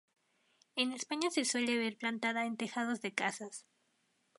En España se suele ver plantada en tejados de casas.